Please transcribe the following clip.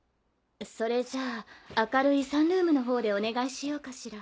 それじゃあ明るいサンルームのほうでお願いしようかしら。